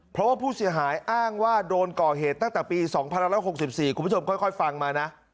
เพราะว่าผู้เสียหายอ้างว่าโดนก่อเหตุตั้งแต่ปี๒๑๖๔คุณผู้ชมค่อยฟังมานะ